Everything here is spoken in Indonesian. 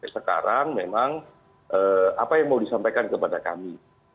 sekarang memang apa yang mau disampaikan kepada kami